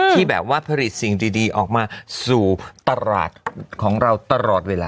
ที่แบบว่าผลิตสิ่งดีออกมาสู่ตลาดของเราตลอดเวลา